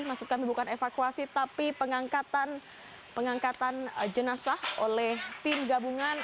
maksud kami bukan evakuasi tapi pengangkatan jenazah oleh tim gabungan